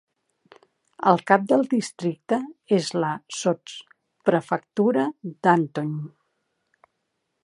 El cap del districte és la sotsprefectura d'Antony.